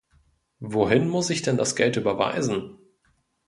Wohin muss ich denn das Geld überweisen?